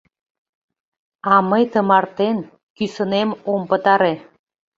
А мый тымартен кӱсынем ом пытаре